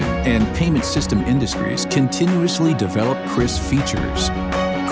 dan dapatkan uang dalam akun mereka